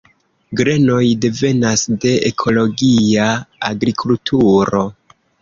Grenoj devenas de ekologia agrikulturo.